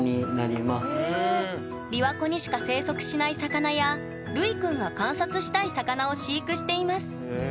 びわ湖にしか生息しない魚やるいくんが観察したい魚を飼育していますあ